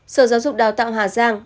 sở giáo dục đào tạo hà giang